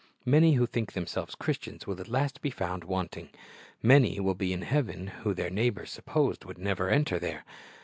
Many who think themselves Christians will at last be found wanting. Many will be in heaven who their neighbors supposed would never enter there.